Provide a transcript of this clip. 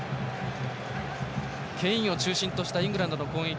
ケインを中心としたイングランドの攻撃。